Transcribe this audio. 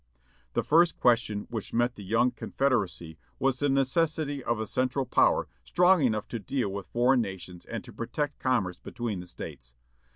"The first question which met the young confederacy was the necessity of a central power strong enough to deal with foreign nations and to protect commerce between the States.